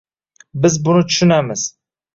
Biz buni tushunamiz